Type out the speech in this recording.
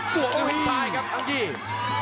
ตรวงด้วยซ้ายครับอังกฤษ